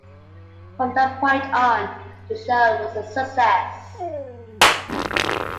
From that point on, the show was a success.